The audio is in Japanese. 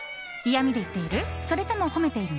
嫌味で言っている？